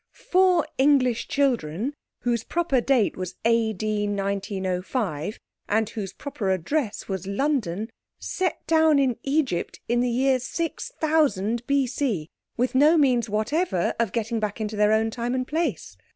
Four English children, whose proper date was A.D. 1905, and whose proper address was London, set down in Egypt in the year 6000 B.C. with no means whatever of getting back into their own time and place.